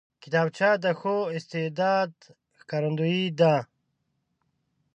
کتابچه د ښو استعداد ښکارندوی ده